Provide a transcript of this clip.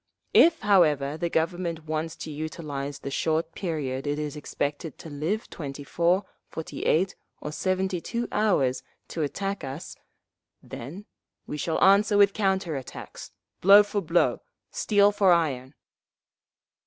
If, however, the Government wants to utilise the short period it is expected to live—twenty four, forty eight, or seventy two hours—to attack us, then we shall answer with counter attacks, blow for blow, steel for iron!"